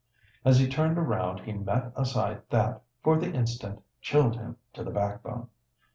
As he turned around he met a sight that, for the instant, chilled him to the backbone.